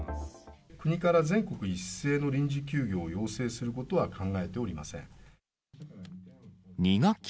国から全国一斉の臨時休業を要請することは考えておりません。